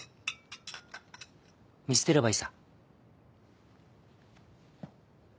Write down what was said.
見捨てればいいさ。